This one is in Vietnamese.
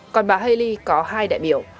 còn bà haley có hai đại biểu